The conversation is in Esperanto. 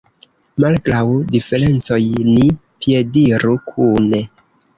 Malgraŭ diferencoj ni piediru kune.